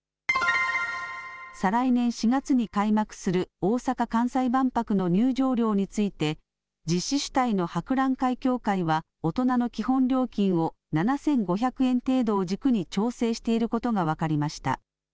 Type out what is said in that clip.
再来年４月に開幕する大阪・関西万博の入場料について実施主体の博覧会協会は大人の基本料金を７５００円程度を軸に調整していることが分かりました。